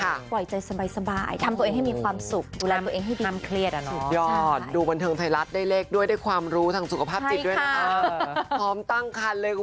ไหวใจสบายทำตัวเองให้มีความสุข